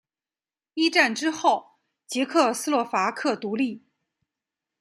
一战之后捷克斯洛伐克独立。